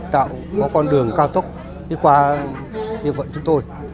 tạo con đường cao tốc đi qua địa phận chúng tôi